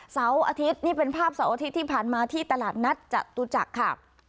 เสาร์อาทิตย์นี่เป็นภาพเสาร์อาทิตย์ที่ผ่านมาที่ตลาดนัดจตุจักรค่ะ